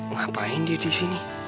ngapain dia di sini